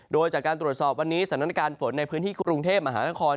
โดยจากการตรวจสอบวันนี้สถานการณ์ฝนในพื้นที่กรุงเทพมหานคร